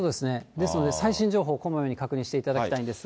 ですから最新情報、こまめに確認していただきたいんですが。